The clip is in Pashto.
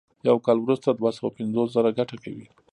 یو کال وروسته دوه سوه پنځوس زره ګټه کوي